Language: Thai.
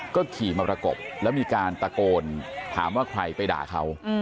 ก็ขี่มาประกบแล้วมีการตะโกนถามว่าใครไปด่าเขา